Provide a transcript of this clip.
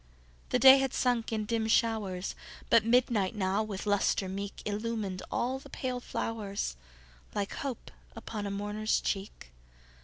The day had sunk in dim showers, But midnight now, with lustre meek, Illumined all the pale flowers, Like hope upon a mourner's cheek.